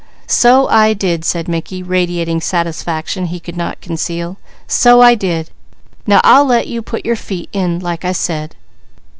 "So I did," said Mickey, radiating satisfaction he could not conceal. "So I did! Now, I'll let you put your feet in, like I said."